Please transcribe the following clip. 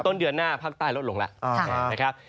ต้นเดือนหน้าภาคใต้ลดลงแล้วนะครับ